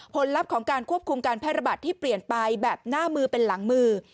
ลับของการควบคุมการแพร่ระบาดที่เปลี่ยนไปแบบหน้ามือเป็นหลังมือ